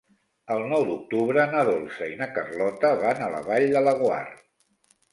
El nou d'octubre na Dolça i na Carlota van a la Vall de Laguar.